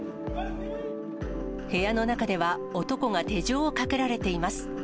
部屋の中では男が手錠をかけられています。